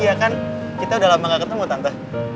iya kan kita udah lama gak ketemu tante